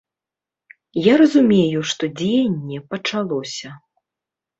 Я разумею, што дзеянне пачалося.